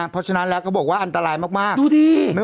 เพราะฉะนั้นแล้วก็บอกว่าอันตรายมาก